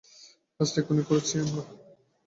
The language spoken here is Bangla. কাজটা এক্ষুণি করছি আমরা।